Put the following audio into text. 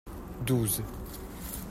Douze.